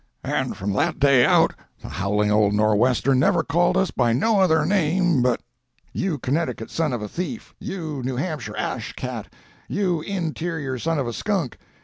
"'And from that day out the howling old nor'wester never called us by no other name but You Connecticut son of a thief! You New Hampshire ash cat! You in terior son of a skunk!